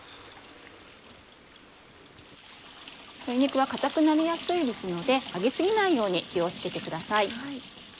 鶏肉は硬くなりやすいので揚げ過ぎないように気を付けてください。